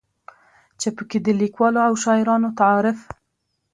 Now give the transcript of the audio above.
چې پکې د ليکوالو او شاعرانو تعارف